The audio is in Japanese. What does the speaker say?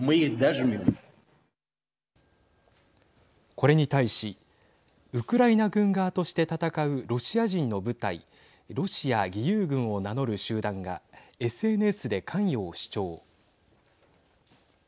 これに対しウクライナ軍側として戦うロシア人の部隊ロシア義勇軍を名乗る集団がＳＮＳで関与を主張。